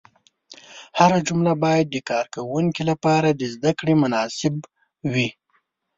هره جمله باید د کاروونکي لپاره د زده کړې مناسب وي.